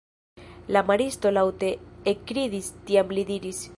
La maristo laŭte ekridis, tiam li diris: